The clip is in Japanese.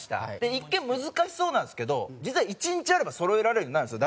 一見難しそうなんですけど実は１日あればそろえられるようになるんですよ